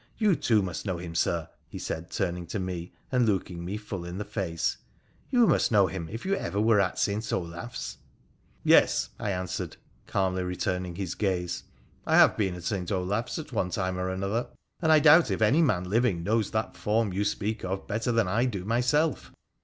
You too must know him, Sir,' he said, turning to me, and looking me full in the face :' you must know him, if you ever were at St. Olaf's.' ' Yes,' I answered, calmly returning his gaze. ' I have been at St. Olaf's at one time or another, and I doubt if any man living knows that form you speak of better than I do myself.'